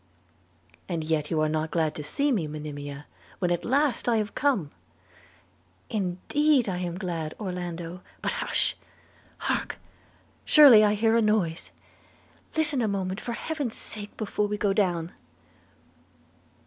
'And yet you are not glad to see me, Monimia, when at last I am come?' 'Indeed I am glad, Orlando; but hush! hark, surely I heard a noise. Listen a moment, for heaven's sake, before we go down.'